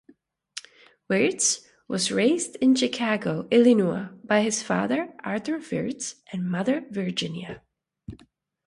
Wirtz was raised in Chicago, Illinois by his father Arthur Wirtz and mother Virginia.